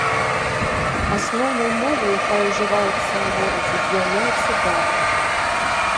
Асноўнай мовай, якая ўжываецца ў горадзе, з'яўляецца дары.